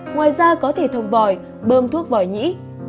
ngoài ra có thể thông vòi bơm thuốc vòi nhĩ